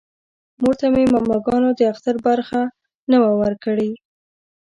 مور ته مې ماماګانو د اختر برخه نه وه ورکړې